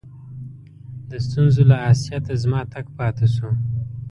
د ستونزو له آسیته زما تګ پاته سو.